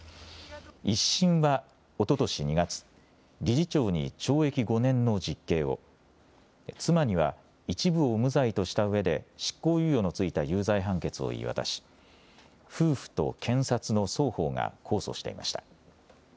１審は、おととし２月、理事長に懲役５年の実刑を、妻には一部を無罪としたうえで執行猶予の付いた有罪判決を言い渡し夫婦と検察の双方が控訴していました。